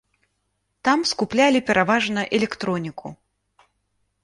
Там скуплялі пераважна электроніку.